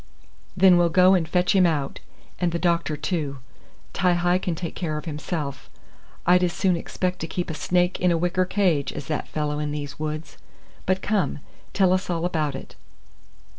"Then we'll go and fetch him out, and the doctor too. Ti hi can take care of himself. I'd as soon expect to keep a snake in a wicker cage as that fellow in these woods; but come, tell us all about it."